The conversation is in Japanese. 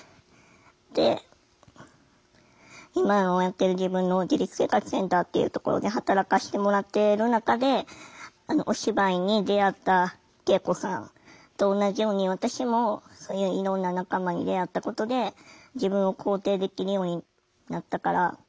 で今のやってる自分の自立生活センターっていうところで働かしてもらってる中でお芝居に出会った圭永子さんと同じように私もそういういろんな仲間に出会ったことで自分を肯定できるようになったから。